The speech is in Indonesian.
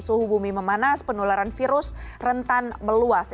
suhu bumi memanas penularan virus rentan meluas